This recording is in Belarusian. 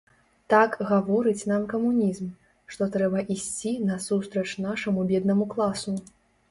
Так гаворыць нам камунізм, што трэба ісці насустрач нашаму беднаму класу.